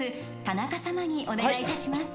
タナカ様にお願いいたします。